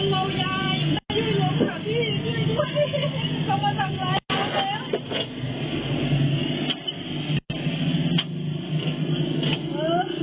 ค่ะสวัสดีคุณโมยาย